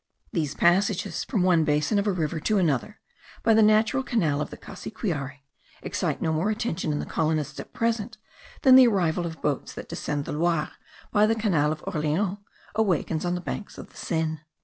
These passages, from one basin of a river to another, by the natural canal of the Cassiquiare, excite no more attention in the colonists at present than the arrival of boats that descend the Loire by the canal of Orleans, awakens on the banks of the Seine.